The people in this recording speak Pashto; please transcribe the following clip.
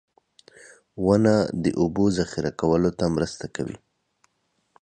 • ونه د اوبو ذخېره کولو ته مرسته کوي.